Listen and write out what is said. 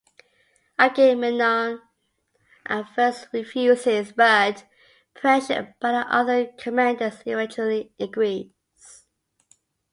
Agamemnon at first refuses but, pressured by the other commanders, eventually agrees.